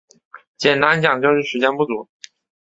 简单讲就是时间不足